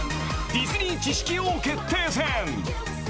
［ディズニー知識王決定戦］